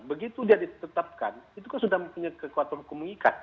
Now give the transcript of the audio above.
begitu dia ditetapkan itu kan sudah mempunyai kekuatan komunikat